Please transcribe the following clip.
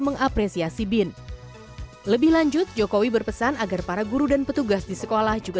mengapresiasi bin lebih lanjut jokowi berpesan agar para guru dan petugas di sekolah juga